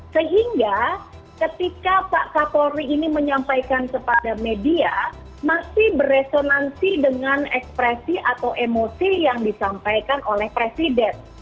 sehingga ketika pak kapolri ini menyampaikan kepada media masih beresonansi dengan ekspresi atau emosi yang disampaikan oleh presiden